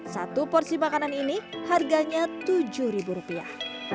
satu porsi makanan ini harganya tujuh ribu rupiah